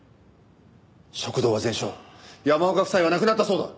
食堂は全焼山岡夫妻は亡くなったそうだ。